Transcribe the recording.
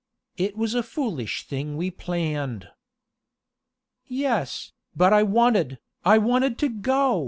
It was a foolish thing we planned." "Yes, but I wanted, I wanted to go!"